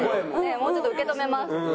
もうちょっと受け止めます。